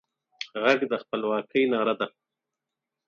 غږ د خپلواکۍ ناره ده